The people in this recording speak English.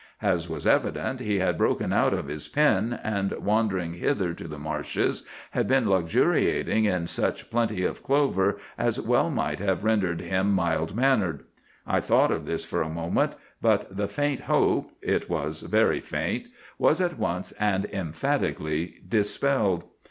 As was evident, he had broken out of his pen, and wandering hither to the marshes, had been luxuriating in such plenty of clover as well might have rendered him mild mannered. I thought of this for a moment; but the faint hope—it was very faint—was at once and emphatically dispelled.